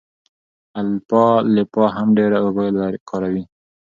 الفالفا هم ډېره اوبه کاروي.